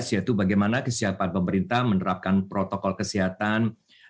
yaitu bagaimana kesiapan pemerintah menerapkan protokol kesehatan